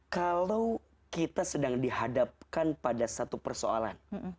kalau kita sedang dihadapkan pada satu persoalan